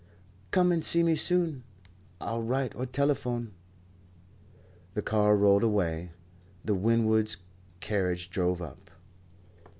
"Come and see me soon. I'll write or telephone." The car rolled away. The Winwoods' carriage drove up.